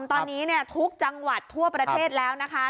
ตอนนี้ทุกจังหวัดทั่วประเทศแล้วนะคะ